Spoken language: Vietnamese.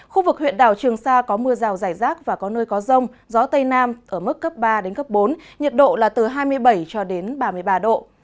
khu vực huyện đảo trường sa có mưa rào giải rác và có nơi có rông gió tây nam ở mức cấp ba bốn nhiệt độ là từ hai mươi bảy ba mươi ba độ